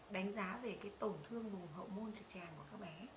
đánh giá về cái tổn thương đồn hậu môn trực tràng của các bé